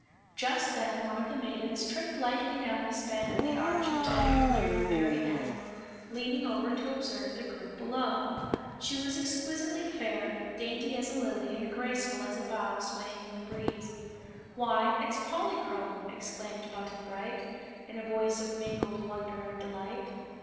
Just then one of the maidens tripped lightly down the span of the arch until near the very end, leaning over to observe the group below. She was exquisitely fair, dainty as a lily and graceful as a bough swaying in the breeze. "Why, it's Polychrome!" exclaimed Button Bright, in a voice of mingled wonder and delight.